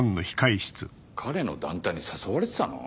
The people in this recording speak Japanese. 彼の団体に誘われてたの？